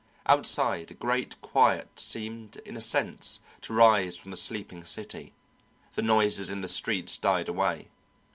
Outside a great quiet seemed in a sense to rise from the sleeping city, the noises in the streets died away.